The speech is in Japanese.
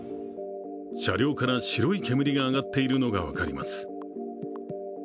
車両から白い煙が上がっているのが分かります